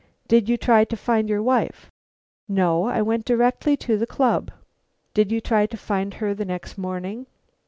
"Did you try to find your wife?" "No. I went directly to the club." "Did you try to find her the next morning?"